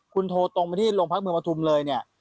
คุณโทรตรงมาที่โรงพักเมืองปฐุมเลยเนี่ย